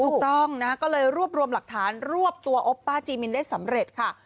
ถูกต้องนะคะก็เลยรวบรวมหลักฐานรวบตัวโอปป้าจีมินได้สำเร็จค่ะ